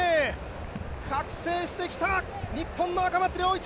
覚醒してきた日本の赤松諒一。